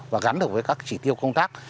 và gắn được với các chỉ tiêu công tác